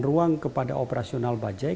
ruang kepada operasional bajai